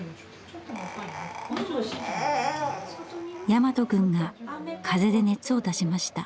大和くんが風邪で熱を出しました。